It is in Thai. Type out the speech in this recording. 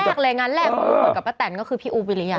งานแรกเลยงานแรกเหมือนกับป้าแตนก็คือพี่อู๋ไปเลยอ่ะ